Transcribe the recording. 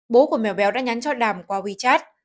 bố của mẹo béo đã nhắn cho đàm qua wechat